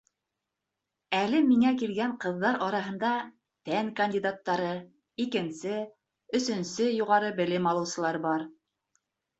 Әле миңә килгән ҡыҙҙар араһында фән кандидаттары, икенсе, өсөнсө юғары белем алыусылар бар.